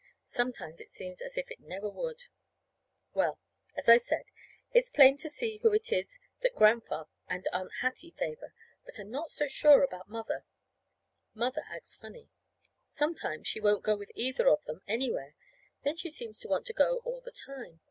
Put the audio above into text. Sometimes it seems as if it never would! Well, as I said, it's plain to be seen who it is that Grandfather and Aunt Hattie favor; but I'm not so sure about Mother. Mother acts funny. Sometimes she won't go with either of them anywhere; then she seems to want to go all the time.